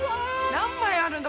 何枚あるんだ？